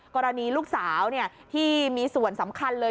กรณีลูกสาวที่มีส่วนสำคัญเลย